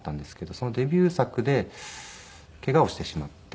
そのデビュー作でケガをしてしまって。